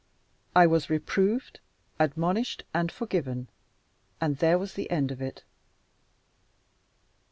I was reproved, admonished, and forgiven; and there was the end of it.